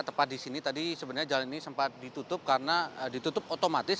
tepat di sini tadi sebenarnya jalan ini sempat ditutup karena ditutup otomatis